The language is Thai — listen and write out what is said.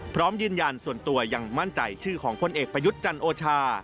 พร้อมยืนยันส่วนตัวยังมั่นใจชื่อของพลเอกประยุทธ์จันโอชา